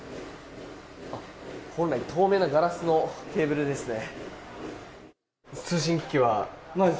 本来、透明なガラスのテーブルですね。